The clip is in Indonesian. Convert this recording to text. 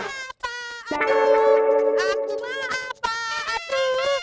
tidak ada yang bisa diberikan